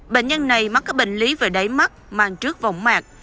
bệnh nhân này mắc các bệnh lý về đáy mắt mang trước vỏng mạc